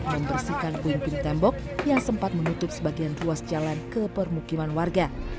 membersihkan puing puing tembok yang sempat menutup sebagian ruas jalan ke permukiman warga